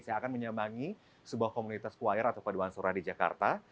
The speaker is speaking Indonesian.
saya akan menyambangi sebuah komunitas choir atau paduan suara di jakarta